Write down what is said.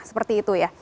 seperti itu ya